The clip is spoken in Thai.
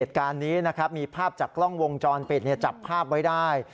เหตุการณ์นี้นะครับมีภาพจากกล้องวงจรปิดจับภาพไว้ได้